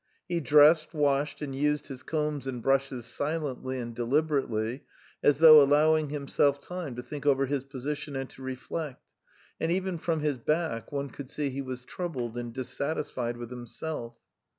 He dressed, washed, and used his combs and brushes silently and deliberately, as though allowing himself time to think over his position and to reflect, and even from his back one could see he was troubled and dissatisfied with himself.